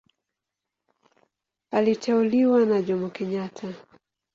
Aliteuliwa na Jomo Kenyatta.